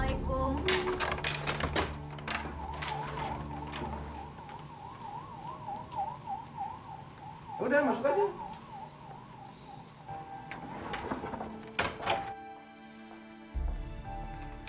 nah masa nak berhenti